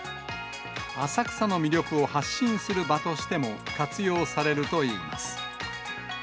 浅草の魅力を発信する場としても、活用されるといいます。